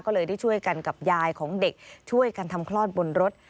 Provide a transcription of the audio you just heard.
ก็เลยได้ช่วยกันกับยายของเด็กช่วยกันทำคลอดบนรถ